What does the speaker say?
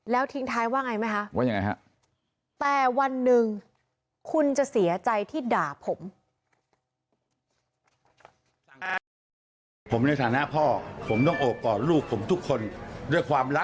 แล้วทิ้งท้ายว่าไงไหมคะ